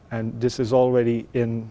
và đây đã được